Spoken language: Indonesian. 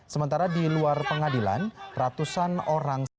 sementara di luar pengadilan ratusan orang